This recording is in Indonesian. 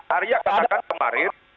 arya katakan kemarin